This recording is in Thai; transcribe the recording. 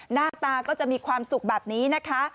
หน้าตาก็จะมีความสุขแบบนี้นะคะ